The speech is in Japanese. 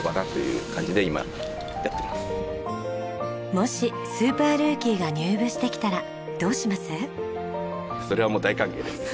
もしスーパールーキーが入部してきたらどうします？